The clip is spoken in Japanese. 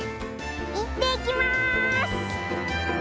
いってきます！